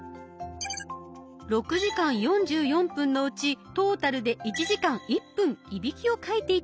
６時間４４分のうちトータルで１時間１分いびきをかいていたという情報です。